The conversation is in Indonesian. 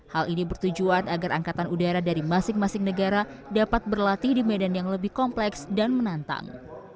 hal ini bertujuan agar angkatan udara dari masing masing negara dapat berlatih di medan yang lebih kompleks dan menantang